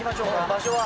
場所は。